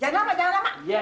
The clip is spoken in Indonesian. jangan lama jangan lama